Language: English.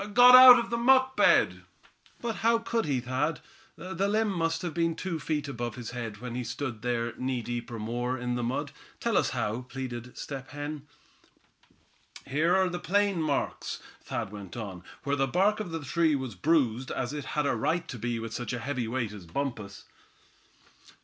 "Got out of the muck bed." "But how could he, Thad? That limb must a been two feet above his head when he stood there knee deep or more, in the mud. Tell us how?" pleaded Step Hen. "Here are the plain marks," Thad went on, "where the bark of the tree was bruised, as it had a right to be with such a heavy weight as Bumpus."